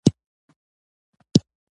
نجلۍ د صفا زړه نښه ده.